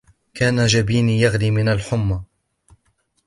كان جبيني يغلي من الحمى.